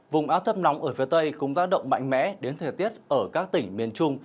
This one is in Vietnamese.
vùng áp thấp nóng ở phía tây cũng tác động mạnh mẽ đến thời tiết ở các tỉnh miền trung